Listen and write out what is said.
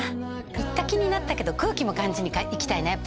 行った気になったけど空気も感じに行きたいなやっぱり。